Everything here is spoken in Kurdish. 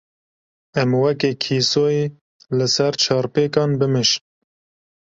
Em weke kîsoyê li ser çarpêkan bimeşin.